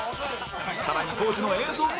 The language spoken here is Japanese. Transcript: さらに当時の映像も